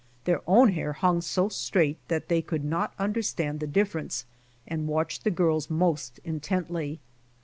Their own hair hung so straight they could mot under stand the difference, and watched the .girls most intently.